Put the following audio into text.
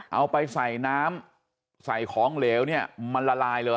เอาไปใส่น้ำใส่ของเหลวเนี่ยมันละลายเลย